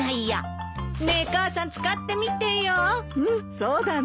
そうだね。